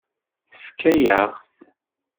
Tefka-yaɣ-t.